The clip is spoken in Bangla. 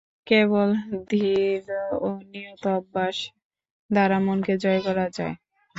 কেবল ধীর ও নিয়ত অভ্যাস দ্বারা মনকে জয় করা যায়।